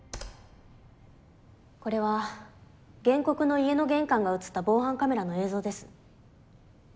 これは原告の家の玄関が映った防犯カメラの映像です。